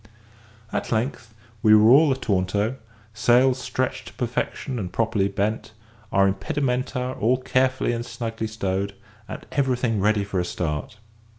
At length we were all ataunto; sails stretched to perfection and properly bent, our impedimenta all carefully and snugly stowed, and everything ready for a start.